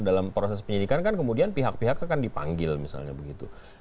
dalam proses penyidikan kan kemudian pihak pihak akan dipanggil misalnya begitu